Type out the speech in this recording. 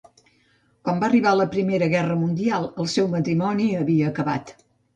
Quan va arribar la Primera Guerra Mundial, el seu matrimoni havia acabat.